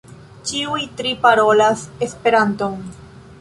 Ĉiuj tri parolas Esperanton.